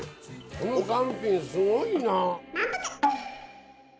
この３品すごいな。